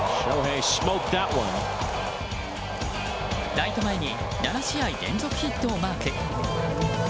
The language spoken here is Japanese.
ライト前に７試合連続ヒットをマーク。